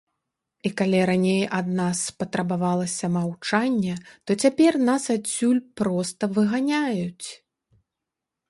І калі раней ад нас патрабавалася маўчанне, то цяпер нас адсюль проста выганяюць.